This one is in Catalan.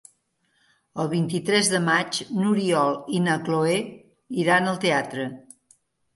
El vint-i-tres de maig n'Oriol i na Cloè iran al teatre.